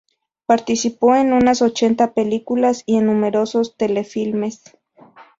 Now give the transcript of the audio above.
Participó en unas ochenta películas y en numerosos telefilmes.